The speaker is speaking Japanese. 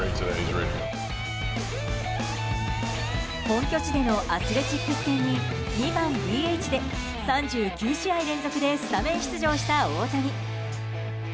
本拠地でのアスレチックス戦に２番ＤＨで３９試合連続でスタメン出場した大谷。